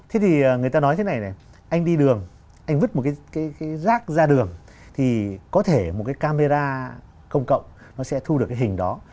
thế thì người ta nói thế này này anh đi đường anh vứt một cái rác ra đường thì có thể một cái camera công cộng nó sẽ thu được cái hình đó